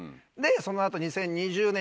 その後２０２０年